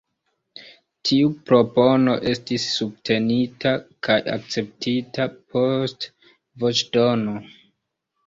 Tiu propono estis subtenita kaj akceptita post voĉdono.